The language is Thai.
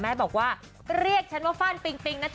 แม่บอกว่าก็เรียกเชื่อว่าฟ่านปิ่ง